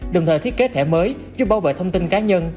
đồng thời thiết kế thẻ mới giúp bảo vệ thông tin cá nhân